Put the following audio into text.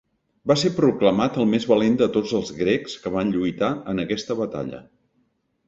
Va ser proclamat el més valent de tots els grecs que van lluitar en aquesta batalla.